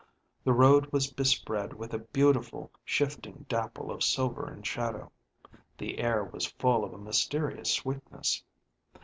The road was bespread with a beautiful shifting dapple of silver and shadow; the air was full of a mysterious sweetness.